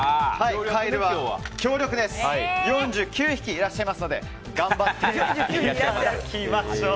カエルは４９匹いらっしゃいますので頑張っていきましょう。